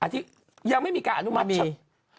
อาทิตย์ยังไม่มีการอนุมัติใช่ไหม